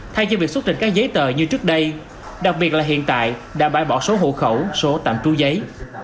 thay cho việc xuất trình các giấy tờ như trước đây đặc biệt là hiện tại đã bãi bỏ số hộ khẩu số tạm tru giấy